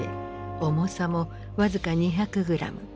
重さも僅か２００グラム。